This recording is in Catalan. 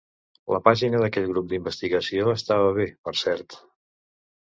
La pàgina d'aquell grup d'investigació estava bé, per cert.